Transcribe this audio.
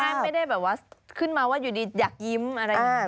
เอาง่ายไม่ได้แบบว่าขึ้นมาว่าอยู่ดีอยากยิ้มอะไร